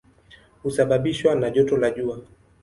Husababishwa na joto la jua.